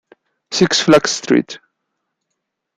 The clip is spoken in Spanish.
Six Flags St.